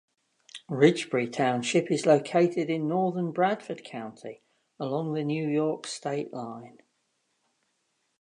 Ridgebury Township is located in northern Bradford County, along the New York state line.